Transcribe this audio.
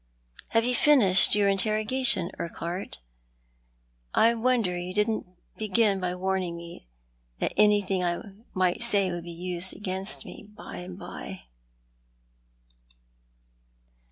Have you finished your interrogation, Ur quhart? I wonder you didn't begin by warning me that any thing I might say would be used against me by and by."